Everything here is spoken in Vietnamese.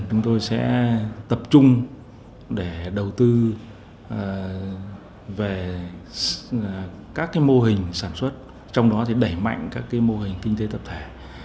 chúng tôi sẽ tập trung để đầu tư về các mô hình sản xuất trong đó đẩy mạnh các mô hình kinh tế tập thể